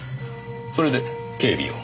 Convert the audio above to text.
それで警備を。